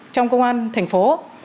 trong công an thành phố